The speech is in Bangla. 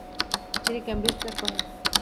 তিনি ক্যামব্রিজ ত্যাগ করেন।